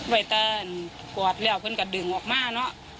ไปเติ้ลกวาดแล้วเพิ่งกระดึงออกมานะ